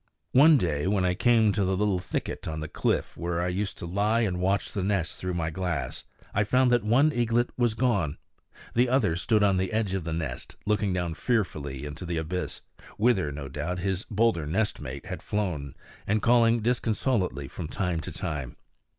One day, when I came to the little thicket on the cliff where I used to lie and watch the nest through my glass, I found that one eaglet was gone. The other stood on the edge of the nest, looking down fearfully into the abyss, whither, no doubt, his bolder nest mate had flown, and calling disconsolately from time to time.